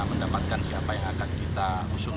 mendapatkan siapa yang akan kita usung